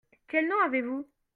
Quel nom avez-vous ?